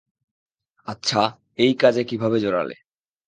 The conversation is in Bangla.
আচ্ছা, এই কাজে কীভাবে জড়ালে?